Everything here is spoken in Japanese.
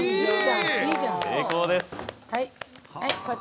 成功です。